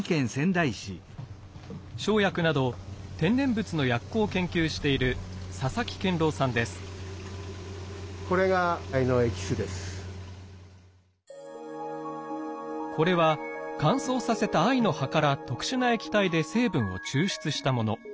生薬など天然物の薬効を研究しているこれは乾燥させた藍の葉から特殊な液体で成分を抽出したもの。